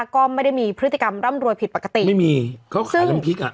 ก็ไม่ได้มีพฤติกรรมร่ำรวยผิดปกติไม่มีเขาขายน้ำพริกอ่ะ